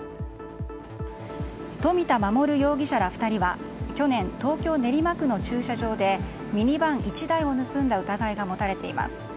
冨田守容疑者ら２人は去年、東京・練馬区の駐車場でミニバン１台を盗んだ疑いが持たれています。